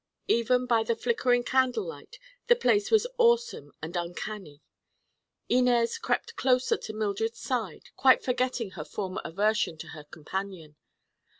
Even by the flickering candle light the place was awesome and uncanny. Inez crept closer to Mildred's side, quite forgetting her former aversion for her companion.